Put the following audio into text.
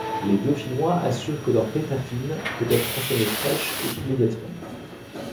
Les Dauphinois assurent que leur pétafine peut être consommée fraîche et immédiatement.